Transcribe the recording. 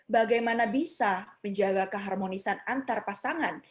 bagaimana bisa menjaga keharmonisan antar pasangan